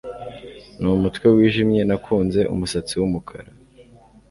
numutwe wijimye nakunze umusatsi wumukara